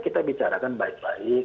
kita bicarakan baik baik